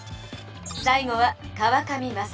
さい後は川上勝。